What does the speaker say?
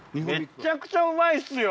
めっちゃくちゃうまいっすよ！